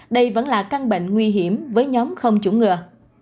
đây vẫn là căng bệnh nguy hiểm với nhóm không chủng ngừa